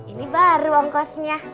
ini baru angkosnya